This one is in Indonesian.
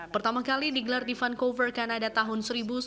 pertama kali digelar di vancouver kanada tahun seribu sembilan ratus tujuh puluh enam